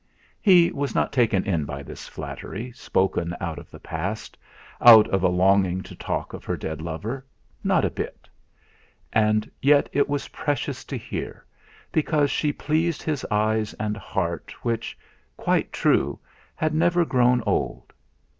He was not taken in by this flattery spoken out of the past, out of a longing to talk of her dead lover not a bit; and yet it was precious to hear, because she pleased his eyes and heart which quite true! had never grown old.